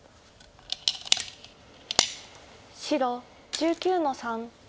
白１９の三。